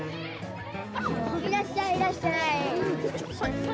いらっしゃいいらっしゃい。